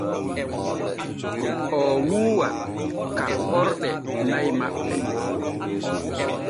O wuuwa kaɓɓorde na'i maɓɓe.